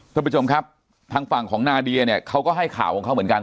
ท่านผู้ชมครับทางฝั่งของนาเดียเนี่ยเขาก็ให้ข่าวของเขาเหมือนกัน